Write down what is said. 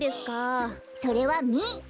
それはミ！